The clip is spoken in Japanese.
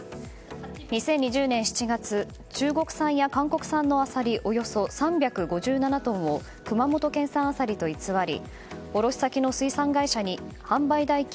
２０２０年７月中国産や韓国産のアサリおよそ３５７トンを熊本県産アサリと偽り卸先の水産会社に販売代金